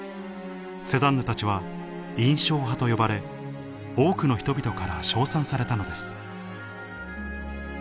セザンヌたちは印象派と呼ばれ多くの人々から称賛されたのです